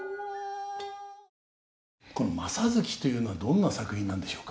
この「正月」というのはどんな作品なんでしょうか？